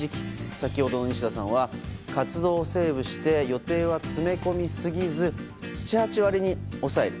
先ほどの西多さんは活動をセーブして予定は詰め込みすぎず７８割に抑える。